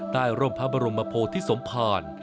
ร่มพระบรมโพธิสมภาร